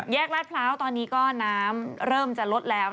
ลาดพร้าวตอนนี้ก็น้ำเริ่มจะลดแล้ว